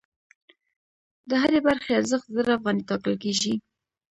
د هرې برخې ارزښت زر افغانۍ ټاکل کېږي